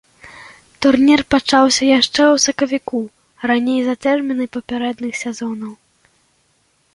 Турнір пачаўся яшчэ ў сакавіку, раней за тэрміны папярэдніх сезонаў.